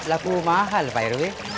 laku mahal pak rw